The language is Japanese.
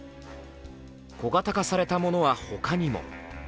小型化されたものはほかにも。